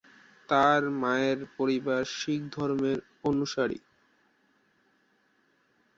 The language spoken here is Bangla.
তার মায়ের পরিবার শিখ ধর্মের অনুসারী।